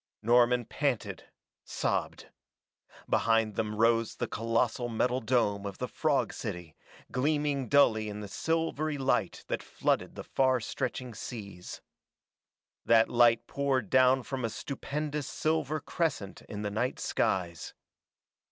Norman panted, sobbed. Behind them rose the colossal metal dome of the frog city, gleaming dully in the silvery light that flooded the far stretching seas. That light poured down from a stupendous silver crescent in the night skies.